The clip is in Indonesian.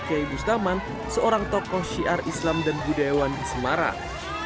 cahaya bustaman seorang tokoh syiar islam dan budaya wan semarang